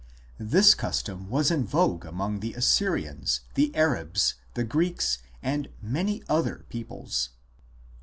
This custom was in vogue among the Assyrians, 1 the Arabs, 2 the Greeks, and many other peoples.